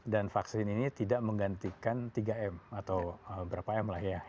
dan vaksin ini tidak menggantikan tiga m atau berapa m lah ya